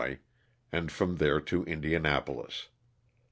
and from there to Indianapolis.